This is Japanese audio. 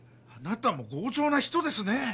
あなたも強情な人ですね！